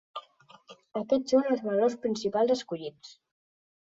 Aquests són els valors principals escollits.